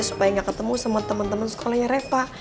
supaya gak ketemu sama temen temen sekolahnya reva